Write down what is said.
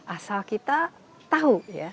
asal kita tahu ya